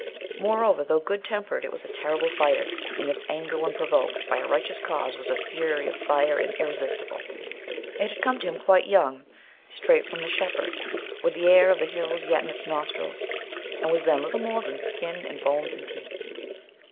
Moreover, though good tempered, it was a terrible fighter, and its anger when provoked by a righteous cause was a fury of fire, and irresistible. It had come to him quite young, straight from the shepherd, with the air of the hills yet in its nostrils, and was then little more than skin and bones and teeth.